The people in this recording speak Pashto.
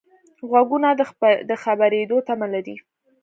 غوږونه د خبرېدو تمه لري